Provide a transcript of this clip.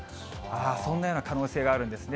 そんなような可能性があるんですね。